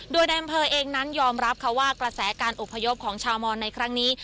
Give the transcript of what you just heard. โดยในอำเภอเองนั้นยอมรับค่ะว่ากระแสการอบพยพของชาวมอนในครั้งนี้